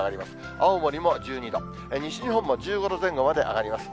青森も１２度、西日本も１５度前後まで上がります。